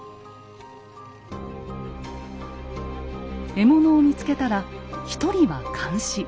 獲物を見つけたら一人は監視。